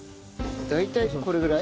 大体これぐらい？